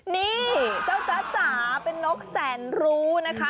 นี่เจ้าจ๊ะจ๋าเป็นนกแสนรู้นะคะ